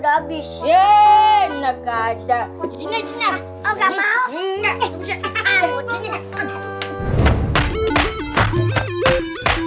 pak sakti ini ada apa sih